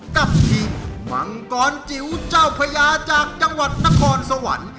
กับทีมมังกรจิ๋วเจ้าพญาจากจังหวัดนครสวรรค์